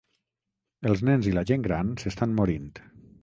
Els nens i la gent gran s’estan morint.